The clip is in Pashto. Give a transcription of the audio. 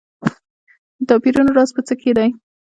د توپیرونو راز په څه کې دی.